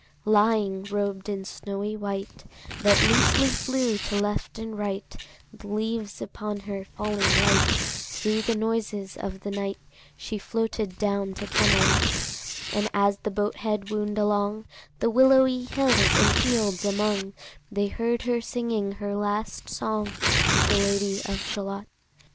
Lying, robed in snowy white That loosely flew to left and right – The leaves upon her falling light – Thro' the noises of the night She floated down to Camelot: And as the boat head wound along The willowy hills and fields among, They heard her singing her last song, The Lady of Shalott.